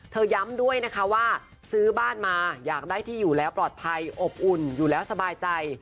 ย้ำด้วยนะคะว่าซื้อบ้านมาอยากได้ที่อยู่แล้วปลอดภัยอบอุ่นอยู่แล้วสบายใจ